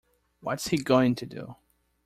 What's he going to do?